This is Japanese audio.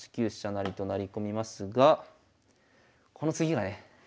成と成り込みますがこの次がね